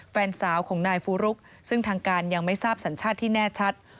แฟนสาวของนายฟูรุกซึ่งทางการยังไม่ทราบสัญชาติที่แน่ชัด